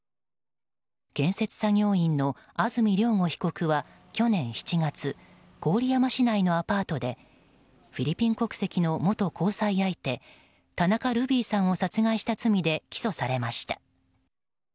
建設作業員の安住亮吾被告は去年７月郡山市内のアパートでフィリピン国籍の元交際相手田中ルビーさんを殺害した罪で起訴されました。